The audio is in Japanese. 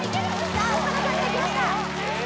さあ岡田さんがきました